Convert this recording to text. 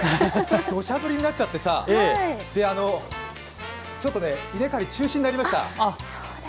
土砂降りになっちゃってさ、ちょっと稲刈り中止になりました。